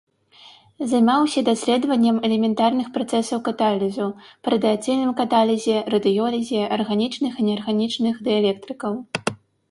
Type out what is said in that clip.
Займаўся даследаваннем элементарных працэсаў каталізу, па радыяцыйным каталізе, радыёлізе арганічных і неарганічных дыэлектрыкаў.